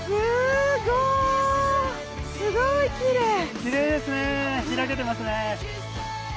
すごいきれい！